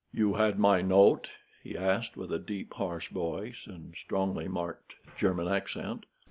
"You had my note?" he asked, with a deep, harsh voice and a strongly marked German accent.